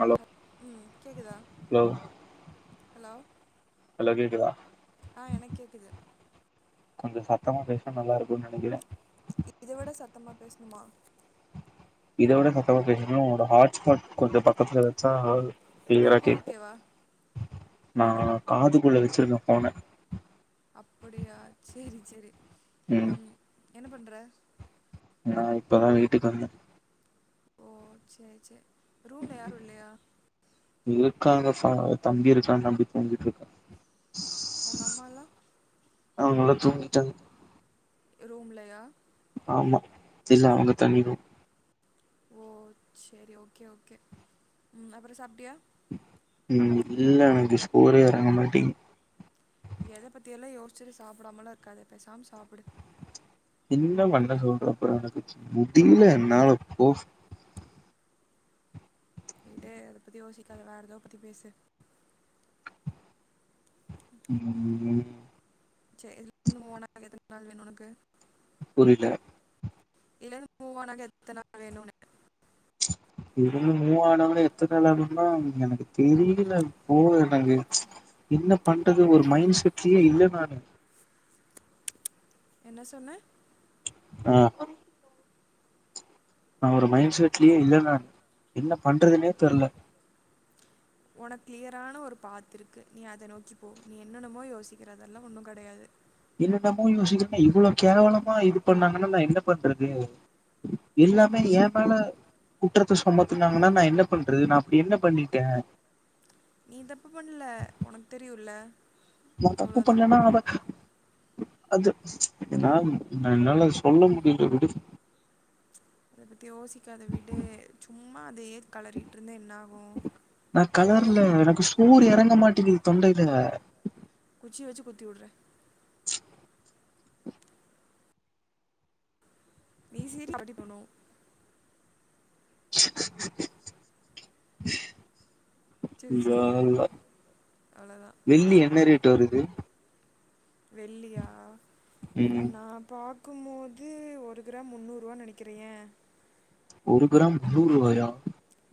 hello ஹ ம் கேக்தா ஹலோ ஹலோ ஹலோ கேட்க்குதா ஆ எனக்கு கேக்குது கொஞ்சோ சத்தமா பேசுனா நல்லா இருக்குன்னு நினைக்கிறே இதை விட சத்தமா பேசணுமா இத விட சத்தமா பேசணு ஒரு ஹாட் ஸ்பாட் கொஞ்சோ பத்துல வச்சா கிளியரா இப்போ கேக்கு ஓகேவா நா காதுக்குள்ள வச்சிருந்தே போன்ன அப்புடியா சேரி சேரி ம் என்ன பண்ற நா இப்பதா வீட்டுக்கு வந்தே ஓ சேரி சேரி ரூம்ல யாரும இல்லையா இருக்காங் க தம்பி இருக்கா நம்பி தூகிட்டு இருக்கா உங்க அம்மாலா அவங்கல்லா தூங்கிட்டாங்க ரூம்லயா ஆமா இல்ல அவுங்க தனிரூம் ஓ சேரி ஓகே ஓகே ம் அப்றோ சாப்டியா உ இல்ல எனக்கு சோறே இறங்க மாட்டி எத பத்தில்ல யோசிச்சுட்டு சாப்பிடாமல இருக்காதே பேசாம சாப்பிடு என்ன பண்ண சொல்ற அப்றோ எனக்கு முடியல என்னால போ டு அத பத்த யோசிக்காத வேறதோ பத்தி பேசு ம் சரி இன்னு மூ ஓனா எது நாள் வேணு உனக்கு புரில இல்லை மூ ஒணக எத்தன வேநும் உனக்கு [unintelligible] இந்து மூவ் ஆண் அகனுன எத்தன நள் ஆன்னா எனக்கு தெரியல போ எனக்கு என்ன பண்றது ஒரு மைண்ட் செட்லயே இல்ல நாநு என்ன சொன்ன ஆ நா ஒரு மைண்ட்சேட்லஏ இல்லனாநு என்ன பண்றதுனே தெரில உனகு கிளியரான ஒரு பாத்து இருக்கு நீ அத நோக்கி போ நீ என்னன்னமோ யோசிக்கிற அதெல்லா ஒன்னு கிடையாது என்னன்னமோ யோசிக்றாக இவ்ளோ கேவலமா இது பண்ணாங்கனா நா என்ன பண்றது எல்லாமே ஏ மேல குற்றத்த சுமத்துனாங்கனா நா என்ன பண்றது நா அப்டி என்ன பண்ணிட்ட நீ தப்பு பண்ணல உனக்கு தெரியுல்ல நா தப்பு பண்ணலனா அவ அது நா என்னால சொல்ல முடில விடு அத பத்தி யோசிக் அத விடு சும்மா அதயே கலறிட்ருந்தா என்ன ஆகும் ஒண்ணும் ஊர் எறங்க மாட்டிங்கிது தொண்டையில குச்சி வச்சி குத்தி உட்ற நீ [unintelligible] அப்படி போனு ல்லா சிரிச்சிட்டில அல்லா அவ்வளோதான் வெள்ளி என்ன ரேட் வருது வெள்ளியா உம் நாப் பாக்குமோது ஒரு கிராம் முந்நூருவா நனைக்கிர ஏ ஒரு கிராம் முன்னூர்ருவாயா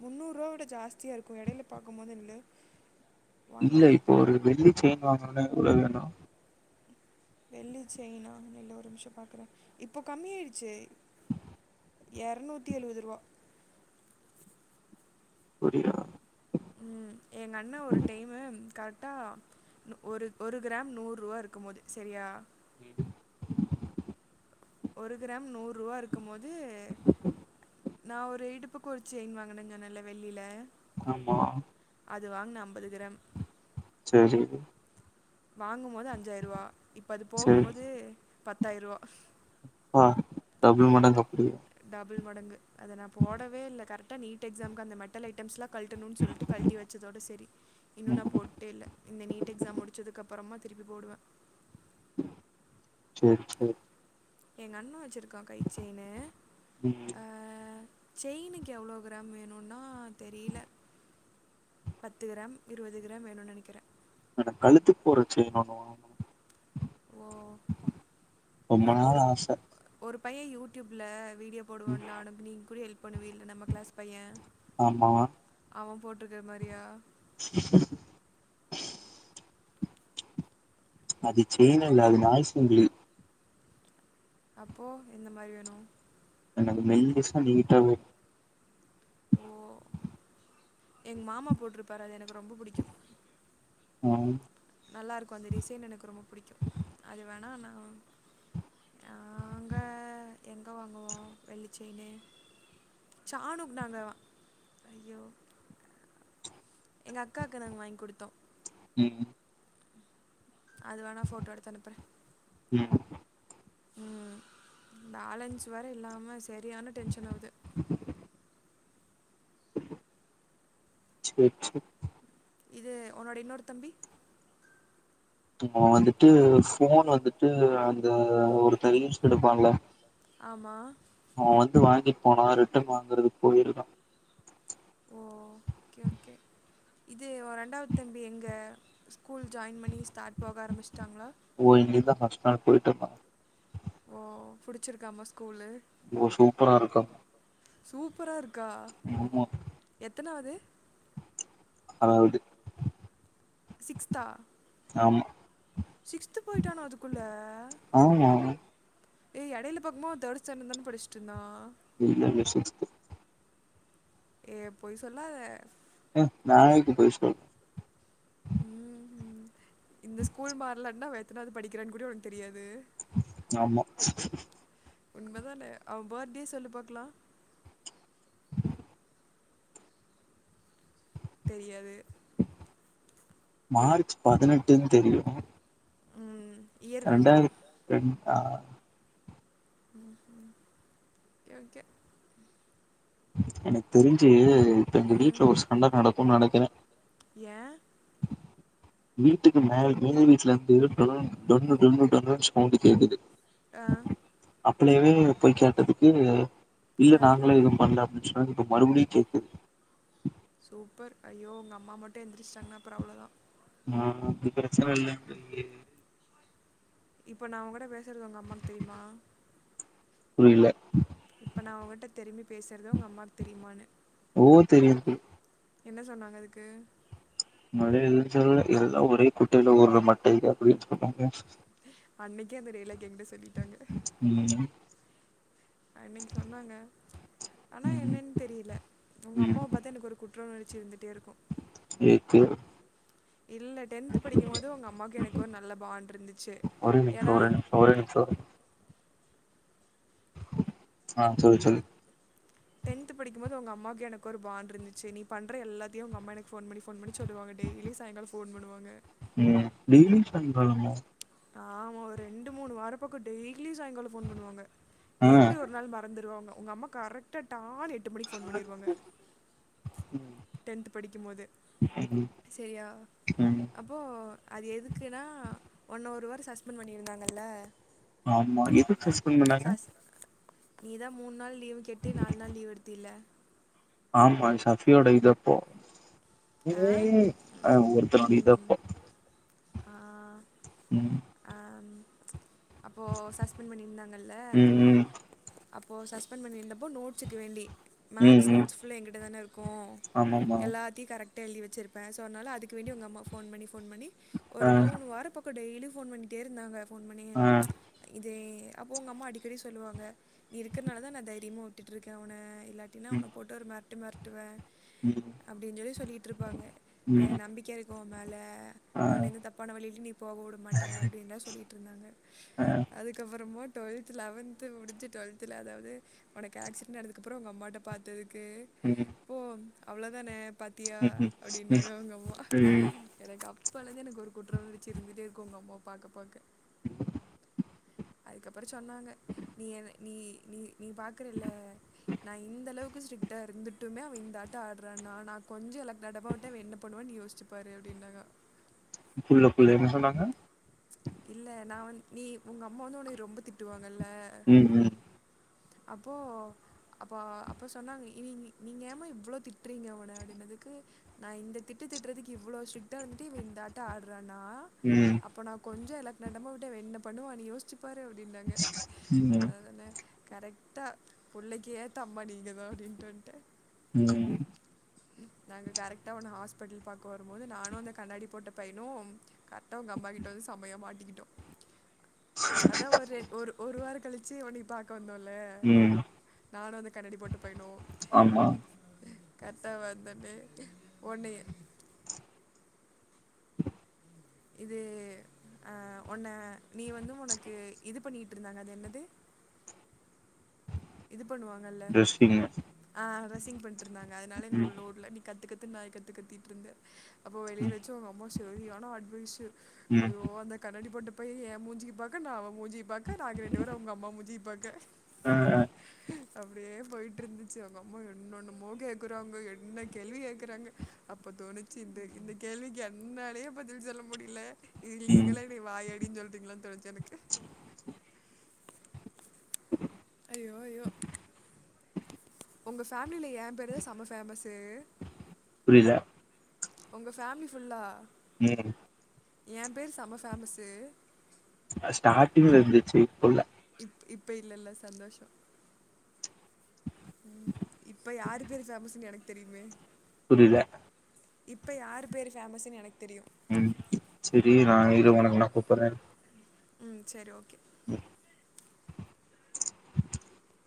முன்னூருவா விட ஜாஸ்தியா இருக்கு எடைல பாக்கு போது இல்ல இல்ல இப்போ ஒரு வெள்ளி செய்ன் வாங்கனுனா எவ்ளோ வேணு வெள்ளி செய்னா நில்லு ஒரு நிம்ஷோ பாக்குற இப்போ கம்மியாடுச்சே எர்நூத்தி எழுவது ருவா புரிரா ம் எங்க அண்ண ஒரு டைமு கரெக்டா ஒரு ஒரு கிராம் நூர்ருவா இருக்கும் போது சரியா ம் ஒரு கிராம் நூர்ருவா இருக்கும் போது நா ஒரு இடுப்புக்கு ஒரு செயின் வாங்கினன் சொன்ன இல்ல வெள்ளில ஆமா அது வாங்ன அம்பது கிராம் செரி வாங்குபோது அஞ்சாய்ருவா இப்ப அது சரி போகும்போது பத்தாய்ருவா பா டபுல் மடங்கு அப்டியே டபுள் மடங்கு அத நா போடவே இல்ல கரெக்டா நீட் எக்ஸாம்கு அந்த மெட்டல் ஐட்டம்ஸ்லா கல்ட்டனுன் சொல்டு கல்ட்டி வச்சதோட செரி இன்னு நா ம் போட்டே இல்ல இந்த நீட் எக்ஸாம் முடிச்சதுக்கு அப்பரமா திருப்பி போடுவ செரி செரி எங்க அண்ண வச்சிருக்கா கை செய்னு ம் அ செயினுக் எவ்ளோ க்ராம் வேணுன்னா தெரியில பத்து கிராம் இருவது கிராம் வேணு நனைக்கிற கழுத்துக் போட்ற செய்ன் ஒன்னு வாங்னு ஓ ரொம்ப நாள் ஒருப் ஆசை ஒரு பையன் யூடியூப்ல வீடியோ ம், போடுவான்ல நம் நீங் கூட ஹெல்ப் பண்ணுவேல நம்ம க்ளாஸ் பைய ஆமா அவ போட்டிருக்க மாரியா அது செய்ன் இல்ல அது நாய் சங்கிலி அப்போ எந்த மரி வேணு எனக்கு மெல்லிசா நீட்டா வே ஓ எங்க மாமா போட்ருப்பாரு அது எனக்கு ரொம்ப புடிக்கு ம் நல்லாருக்கு அந்த டிசைன் எனக்கு ரொம்ப புடிக்கு அது வேணா நா நாங்க எங்க வாங்குவோ வெள்ளி செய்னு சானுக் நாங்க ஐயோ எங்க அக்காக்கு நாங்க வாங்கி குடுத்தோ ம் அதுவணா ஃபோட்டோ எடுத்து அனுப்புற ம் ம் பலன்ஸ் வேற இல்லாம சரியான டென்ஷன் ஆவுது சேர் சேர் இது உன்னோடய இன்னொரு தம்பி அவ வந்துட்டு ஒரு ஃபோன் வந்துட்டு அந்த ஒருத்த ரீல்ஸ் எடுப்பால்ல ஆமா அவ வந்து வாங்கிட் போனா ரிட்டன் வாங்குறதுக்கு போயிருக்கா ஓ ஓகே ஓகே இது ஓ ரெண்டாவது தம்பி எங்க ஸ்கூல் ஜாய்ன் பண்ணி ஸ்டார்ட் போக ஆரமிச்டாங்களா ஓ இன்னிக்தா ஃபஸ்ட் நாள் போய்ட்ருக்கா ஓ புடுச்சிருக்காமா ஸ்கூலு ஓ சூப்பரா இருக்கா சூப்பராருக்கா ஆமா எத்தனாது அதாவது சிக்ஸ்தா ஆமா சிக்ஸ்த்து போய்ட்டான அதுக்குள்ள ஆமா ஏ எடைல பாக்கு போது அவ தேடு ஸ்டண்டர் தான படிச்சிட்ருந்தா இல்ல இல்ல சிக்ஸ்த் ஏ பொய் சொல்லாத ய நா எதுக்கு பொய் சொல்ற ம் ம் இந்த ஸ்கூல் மாரலன்னா அவ எத்தனாவது படிக்கிறான்னு கூட ஒனக்கு தெரியாது ஆம்மா உண்மதான அவ பர்த்டே சொல்லு பாக்கலா தெரியாது மார்ச் பதுனெட்டுன் தெரியு ம், இயர் வேண்டாம் ரெண்டாயிரத் ரெண் ஆ ம் ம் ஓகே ஒகே எனக் தெரிஞ்சி இப்ப எங்க வீட்ல ஒரு சண்ட நடக்குன் நனைக்கிற ய வீட்டுக்கு மேல் மேல் வீட்ல இருந்து டொன் டொன்னு டொன்னு டொன்னுன்னு சவுண்டு கேக்குது ஆ அப்பலவே போய் கேட்டதுக்கு இல்ல ஆ நாங்களே எதுவு பண்ல அப்டின் சொல்லிட்டு இப்ப மறுபடியு கேக்குது சூப்பர் ஐயோ உங்க அம்மா மட்டு எந்திருச்சிட்டாங்கன்னா அப்றோ அவ்ளோதா மா அப்டி பிரச்சன இல்ல சொல்லிருவே இப்போ நா உங்கூட பேசுறது உங் அம்மாக்கு தெரிமா புரில இப்ப நா உங்கிட்ட திரும்பி பேசுறது உங் அம்மாக்கு தெரியுமான்னே ஓ தெரியுது என்ன சொன்னாங்க அதுக்கு மறுபடியு எதுவு சொல்ல எல்லா ஒரே குட்டைல ஊர்ற மட்ட இது அப்டின் சொன்னாங்க அன்னிக்கே அந்த டைலாக்க எங்கிட்ட சொல்லிட்டாங்க ம் அன்னிக்கு சொன்னாங்க ஆனா ம் என்னன் தெரில உங்க ம் அம்மாவ பாத்தா எனக்கு ஒரு குட் குற்ற உணர்ச்சி இருந்துட்டே இருக்கு எதுக்கு இல்ல டென்த் படிக்கும்போது உங்க அம்மாவுக்கு எனக்கு ஒரு நல்ல பான்ட் இருந்துச்சு ஒரே நிமிஷோ ஏன்னா ஒரே நிமிஷோ ஒரே நிம்ஷோ ஆ சொல்லு சொல்லு டென்த படிக்கும்போது உங்க அம்மாவுக்கு எனக்கு ஒரு பான்ட் இருந்துச்சு நீ பண்ற எல்லாத்தையு உங்க அம்மா எனக்கு ஃபோன் பண்ணி ஃபோன் பண்ணி சொல்லுவாங்க டெய்லி சாயங்காலோ ஃபோன் பண்ணுவாங்க ம் டெய்லி பண்றாங்ளா ஆமா ஒரு ரெண்டு மூணு வாரோ பக்கோ டெய்லி சாயங்காலோ ஃபோன் பண்ணுவாங்க நீ ஆ கூட ஒரு நாள் மறந்துருவாங்க உங்க அம்மா கரெக்டா டான்னு எட்டு மணிக்கு ஃபோன் பண்ணிருவாங்க டென்த் படிக்கும்போது ம் செரியா ம் அப் அப்போ அது எதுக்குன்னா ஒன்ன ஒரு வாரோ சஸ்பெண்ட் பண்ணியிருந்தாங்கல்ல எதுக்கு ஆமா சஸ்பெண்ட் பண்ணாங்க நீ தா மூன் நாள் லீவுன் கேட்டு நால் நாள் லீவ் எடுத்தில்ல ஆமா ஷஃபியோட இதப்போ ஆ அ ஒருத்தரோட இதப்போ ஆ ம் ஆ ம் அப்போது சஸ்பெண்ட் பண்ணியிருந்தாங்கல்ல ம் அப்போ சஸ்பெண்ட் பண்ணியிருந்தப்போ நோட்ஸுக்கு வேண்டி ம் மேக்ஸ் ம் நோட்ஸ் ஃபுல்லா எங்கிட்ட தானே இருக்கு ஆமாமா எல்லா எப்டி கரெக்டா எழுதி வெச்சிருப்பே சோ அத்னால அதுக்கு வேண்டி உங் அம்மா ஃபோன் ஃபோன் பண்ணி ஆ ஒரு மூணு வாரோ பக் கோ டெய்லியு ஃபோன் பண்ணிட்டே இருந்தாங்க ஃபோன் பண்ணி ஆ இதே அப்போ உங்க அம்மா அடிக்கடி சொல்லுவாங்க நீ இருக்குறனால தா நா தைரியமா விட்டுட்டுருக்கே அவன இல்லாட்டினா ம் அவன போட்டு ஒரு மெரட்டு மெரட்டுவே ம் அப்டின் சொல்லி சொல்லிகிட்ருப்பாங்க எ ம் நம்பிக்க இருக்கு உம் மேல ஆ அவன எந்த தப் பாண வழிலயு நீ போக விடமாட்ட அப்டின் தா சொல்லிகிட்டுருந்தாங்க அ அதுக்கப்றமா டுவெல்த் லெவன்த்து முடிச்ச டுவெல்த் த்துல அதாது உனக்கு ஆக்சிடென்ட் நடதுக்கப்றோ உங்க அம்மாட்ட பாத்ததுக்கு ம் அப்போ அவ்ளோதானே பாத்தியா ம் ம் அப்டின்னாங்க உங்க அம்மா ம் எனக்கு அப்பலருந்தே எனக்கு ஒரு குற்ற உணர்ச்சி இருந்துட்டே இருக்கு உங்க அம்மாவ பாக்க பாக்க அதுக்கப்பறோ சொன்னாங்க நீ என நீ நீ நீ பாக்குறேல்ல நா இந்த அளவுக்கு ஸ்ரிட்டா இருந்துட்டுமே அவ இந்த ஆட்டோ ஆட்றான்னா நா கொஞ்சோ எலக்குடடபா விட்டே இவெ என்ன பண்ணுவானு யோஸ்ச்சு பாரு அப்டினாங்க புர்ல புர்ல என்ன சொன்னாங்க இல்ல நா வந்து நீ ஒங்க அம்மா வந்து ஒனய ரொம்ப திட்டுவாங்கல்ல ம் ம் அப்போ அப்ப அப்ப சொன்னாங்க இனி நீ நீங்க ஏமா இவ்வளோ திட்டுறீங்க அவன அப்டினதுக்கு நா இந்த திட்ட திட்றதுக்கு இவ்வளோ ஸ்ரிட்டா இருந்துட்டு இவ இந்த ஆட்ட ஆட்றானா ம் அப்ப நா கொஞ்சோ எலக்னடமா விட்டா இவெ என்ன பண்ணுவா நீ யோஸ்ச்சுப்பாரு அப்டினாங்க ம் அவ்ளோ தான கரெக்ட்டா புள்ளக்கி ஏத்த அம்மா நீங்கதா அப்டின்ட்டு வன்டே ம் நாங்க கரெக்டா ஒன்ன ஹாஸ்பிட்டல் பாக்க வரும் போது நானு அந்த கண்ணாடி போட்ட பைய்னு கரெட்டா ஒங்க அப் மாகிட்டாரு செமயா மாட்டிக்கிட்டோ அதா ஒரு ஒரு ஒரு வாரோ கழுச்சு ஒனய பாத் பாக்க வந்தோல்ல ம் நானு அந்த கண்ணாடி போட்ட பையனு ஆமா கரெட்டா வந்தோனே ஒன்னய இது அ ஒன்ன நீ வந்து ஒனக்கு இது பண்ணிட்டு இருந்தாங்க அது என்னது இது பண்ணுவாங்கல ட்ரெஸ்ஸிங்கு ஆ ட்ரெஸ்ஸிங் பண்ட்டு இருந்தாங்க அதுனால எங்கள ம் உள்ள வுடல நீ கத்து கத்து து நாய்க் கத்து கத்திட்ருந்த அப்போ வெளிய ம் வச்சு ஒங்க அம்மா சரியான அட்வைஸ்ஸு ம் அய்யோ அந்த கண்ணாடி போட்ட பையே எ மூஞ்சிய பாக்க நா அவெ மூஞ்சிய பாக்க நாங்க ரெண்டு பேரு ஒங்க அம்மா மூஞ்சிய பாக்க அ அ அப்டியே போய்ட்டு இருந்துச்சு ஒங்க அம்மா என்னன்னமோ கேக்குறாங்க என்ன கேள்வி கேக்குறாங்க அப்ப தோணுச்சு இந்த இந்த கேள்விக்கு என்னாலயே பதில் சொல்ல முடில இதுல ம் நீங்கிலா எனய வாயாடின் சொல்டீங்களோன் தோனுச்சு எனக்கு அய்யோ அய்யோ ஒங்க ஃபேம்லீல எ பேரு தா செம்ம ஃபேமஸ்ஸு புரீல ஒங்க ஃபேம்லி ஃபுல்லா ம் எ பேரு செம ஃபேமஸ்ஸு அது ஸ்டாட்டிங்ல இருந்துச்சு இப்ப இல்ல இப் இப்ப இல்லேல சந்தோஷோ ம் இப்ப யாரு பேரு பேமஸ்னு எனக்கு தெரியுமே புரீல இப்ப யாரு பேரு ஃபேமஸுன் எனக் தெரியு ம் செரி நா இரு ஒனக்கு நா கூப்பற்றே ம் செரி ஓகே ம்